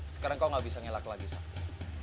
sekarang kau gak bisa ngelak lagi satu